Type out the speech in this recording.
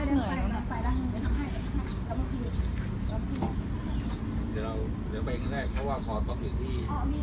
เดี๋ยวเราเนี้ยไปกันได้เพราะว่าพอตกอีกที่